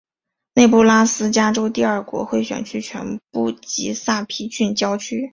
内布拉斯加州第二国会选区全部及萨皮郡郊区。